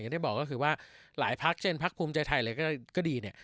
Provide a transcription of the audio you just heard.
ได้บอกก็คือว่าหลายพักเช่นพักภูมิใจไทยอะไรก็ดีเนี่ย